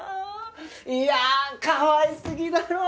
いやあかわいすぎだろ！